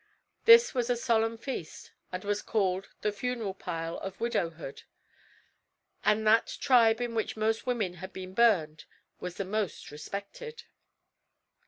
This was a solemn feast and was called the Funeral Pile of Widowhood, and that tribe in which most women had been burned was the most respected.